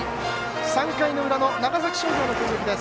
３回の裏の長崎商業の攻撃です。